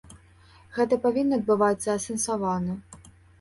Гэта павінна адбывацца асэнсавана.